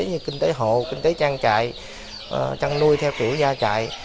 như kinh tế hộ kinh tế trang trại chăn nuôi theo kiểu gia trại